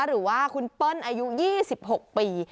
หรือว่าคุณเปิ้ลอายุ๒๖ปี